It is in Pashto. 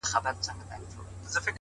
د باد نرم حرکت د چاپېریال ژبه بدلوي